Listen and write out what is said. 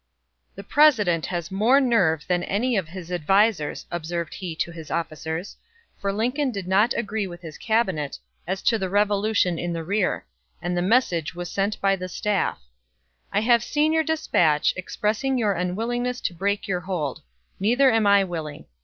"The President has more nerve than any of his advisers," observed he to his officers, for Lincoln did not agree with his Cabinet, as to the revolution in the rear; and the message was sent by the staff: "I have seen your despatch, expressing your unwillingness to break your hold. Neither am I willing.